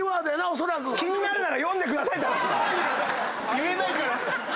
言えないから。